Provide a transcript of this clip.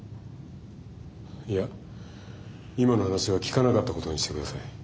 いや今の話は聞かなかったことにしてください。